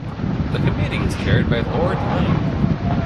The committee is chaired by Lord Lang.